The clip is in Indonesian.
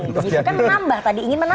itu kan menambah tadi ingin menambah